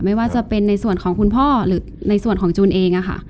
ไม่ว่าจะเป็นในส่วนของคุณพ่อหรือในส่วนของจูนเองค่ะ